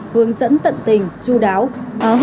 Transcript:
hướng dẫn tận tình chú đáo